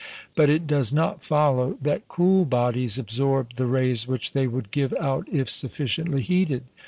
But it does not follow that cool bodies absorb the rays which they would give out if sufficiently heated.